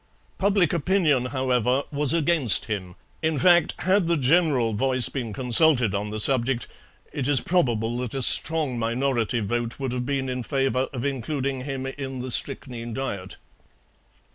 Public opinion, however, was against him in fact, had the general voice been consulted on the subject it is probable that a strong minority vote would have been in favour of including him in the strychnine diet.